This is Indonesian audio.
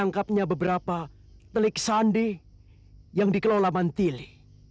menangkapnya beberapa telik sandi yang dikelola mantili